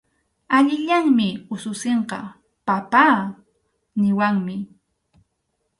Allillanmi ususinqa “papá” niwanmi.